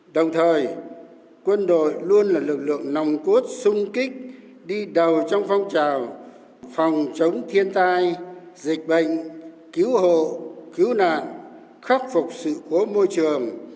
đồng thời quân đội luôn là lực lượng nòng cốt sung kích đi đầu trong phong trào phòng chống thiên tai dịch bệnh cứu hộ cứu nạn khắc phục sự cố môi trường